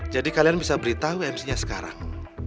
jadi kalian bisa beritahu mc nya sekarang